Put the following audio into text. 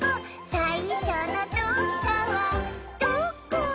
「さいしょのどっかはどこ？」